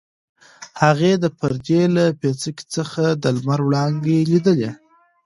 هغې د پردې له پیڅکې څخه د لمر وړانګې لیدلې.